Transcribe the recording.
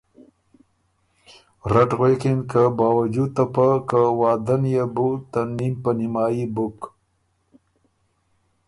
رټ غوېکِن که ”باؤجود ته پۀ که وعدۀ ن يې بُو ته نیم په نیمايي بُک“